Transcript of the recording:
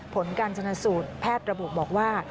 ผลการชนะสูตรแพทย์ระบุบอกว่า